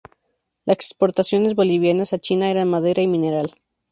Las exportaciones bolivianas a China eran madera y mineral.